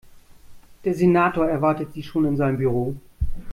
Der Senator erwartet Sie schon in seinem Büro.